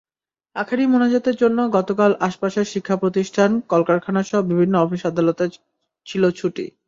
আখেরি মোনাজাতের জন্য গতকাল আশপাশের শিক্ষাপ্রতিষ্ঠান, কলকারখানাসহ বিভিন্ন অফিস-আদালতে ছিল ছুটি।